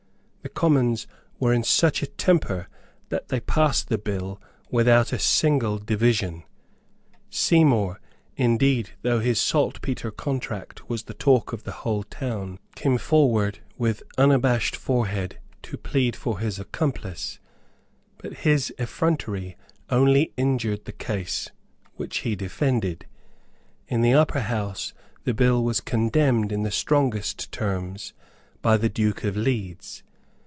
The Commons were in such a temper that they passed the bill without a single division. Seymour, indeed, though his saltpetre contract was the talk of the whole town, came forward with unabashed forehead to plead for his accomplice; but his effrontery only injured the cause which he defended. In the Upper House the bill was condemned in the strongest terms by the Duke of Leeds.